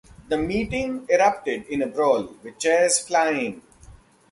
The meeting erupted in a brawl, with chairs flying.